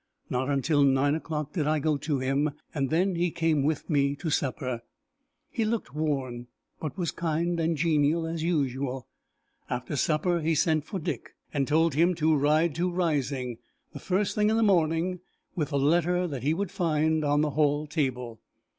Not until nine o'clock did I go to him, and then he came with me to supper. He looked worn, but was kind and genial as usual. After supper he sent for Dick, and told him to ride to Rising, the first thing in the morning, with a letter he would find on the hall table.